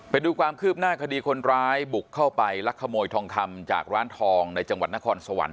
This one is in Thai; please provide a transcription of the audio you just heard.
ไปดูความคืบหน้าคดีคนร้ายบุกเข้าไปลักขโมยทองคำจากร้านทองในจังหวัดนครสวรรค